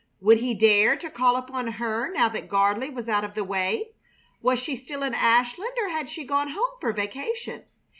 Would he dare to call upon her, now that Gardley was out of the way? Was she still in Ashland or had she gone home for vacation?